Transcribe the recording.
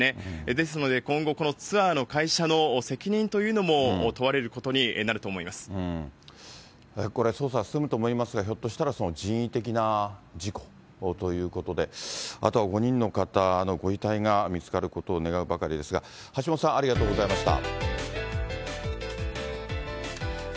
ですので今後、このツアーの会社の責任というのも問われることに捜査、進むと思いますが、ひょっとしたら人為的な事故ということで、あとは５人の方のご遺体が見つかることを願うばかりですが、橋本さん、ありがとうございました。